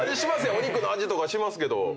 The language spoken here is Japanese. お肉の味とかしますけど。